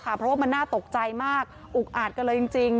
เพราะว่ามันน่าตกใจมากอุกอาจกันเลยจริง